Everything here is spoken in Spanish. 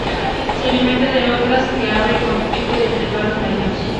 Se alimenta de ostras que abre con su pico y de invertebrados marinos.